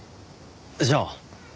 じゃあ。